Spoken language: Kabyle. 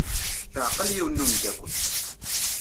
Teɛqel yiwen n umeddakel.